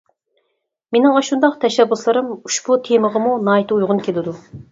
مېنىڭ ئاشۇنداق تەشەببۇسلىرىم ئۇشبۇ تېمىغىمۇ ناھايىتى ئۇيغۇن كېلىدۇ.